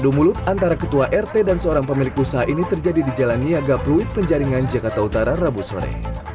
adu mulut antara ketua rt dan seorang pemilik usaha ini terjadi di jalan niaga pluit penjaringan jakarta utara rabu sore